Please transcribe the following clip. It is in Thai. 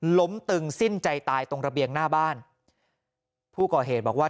ตึงสิ้นใจตายตรงระเบียงหน้าบ้านผู้ก่อเหตุบอกว่า